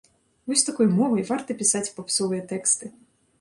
Вось такой мовай варта пісаць папсовыя тэксты!